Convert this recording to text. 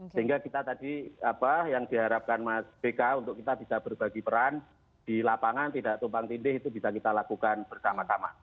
sehingga kita tadi apa yang diharapkan mas bk untuk kita bisa berbagi peran di lapangan tidak tumpang tindih itu bisa kita lakukan bersama sama